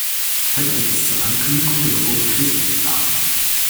Heute wird es zur Ankündigung der Geburt Christi geblasen.